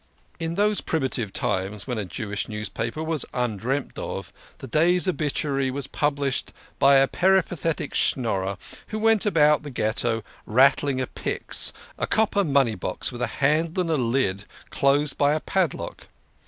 In those primitive times, when a Jewish newspaper was undreamt of, the day's obituary was published by a peripa tetic Schnorrer^ who went about the Ghetto rattling a pyx a copper money box with a handle and a lid closed by a padlock.